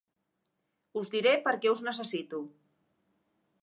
Us diré perquè us necessito.